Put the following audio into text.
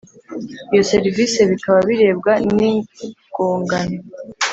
Iyo serivisi bikaba birebwa n igongana